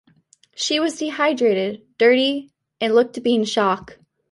She was dehydrated, dirty and looked to be in shock.